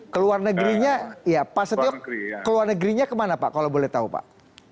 keluar negerinya ya pastio keluar negerinya kemana pak kalau boleh tahu pak